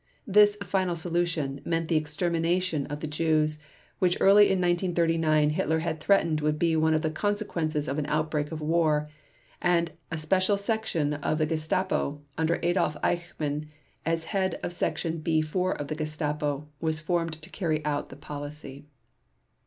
This "final solution" meant the extermination of the Jews, which early in 1939 Hitler had threatened would be one of the consequences of an outbreak of war, and a special section in the Gestapo under Adolf Eichmann, as head of Section B 4 of the Gestapo, was formed to carry out the policy.